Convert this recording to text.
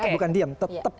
bukan diem tetap